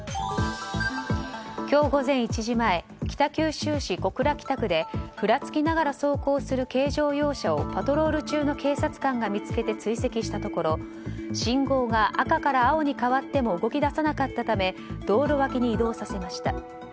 今日午前１時前北九州市小倉北区でふらつきながら走行する軽乗用車をパトロール中の警察官が見つけ追跡したところ信号が赤から青に変わっても動き出さなかったため道路脇に移動させました。